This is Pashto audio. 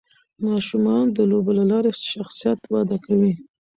ماشومان د لوبو له لارې شخصیت وده کوي.